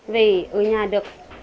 về ở nhà được